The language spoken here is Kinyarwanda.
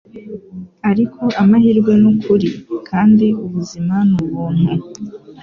Ariko amahirwe nukuri, kandi ubuzima ni ubuntu,